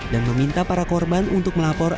dan meminta para korban untuk melapor